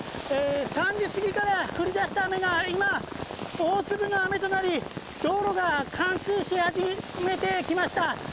３時過ぎから降り出した雨が今、大粒の雨となり道路が冠水し始めてきました。